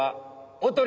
おとり？